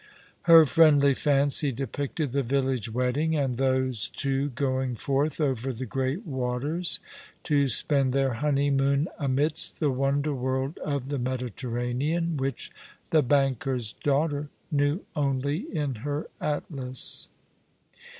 Her friendly fancy depicted the village wedding, and those two going forth over the great waters to spend their honey moon amidst the wonder world of the Mediterranean, which the banker's daughter knew only in her Atlas.